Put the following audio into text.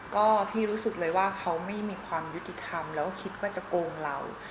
ก็พี่รู้สึกเลยว่าเขาไม่มีความยุติธรรมแล้วก็คิดว่าจะโกงเรา